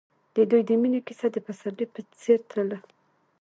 د دوی د مینې کیسه د پسرلی په څېر تلله.